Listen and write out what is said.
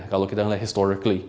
kalau kita melihat secara historis